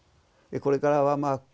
これからはまあ